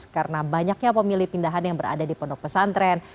karena banyaknya pemilih pindahan yang berada di ponok pesantren